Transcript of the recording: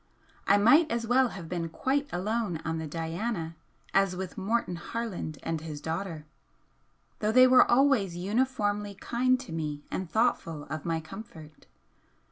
I might as well have been quite alone on the 'Diana' as with Morton Harland and his daughter, though they were always uniformly kind to me and thoughtful of my comfort.